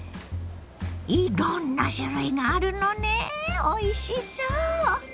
いろんな種類があるのねおいしそう！